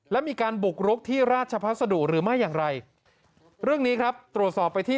และมีการบุกรุกที่ราชพัสดุหรือไม่อย่างไรเรื่องนี้ครับตรวจสอบไปที่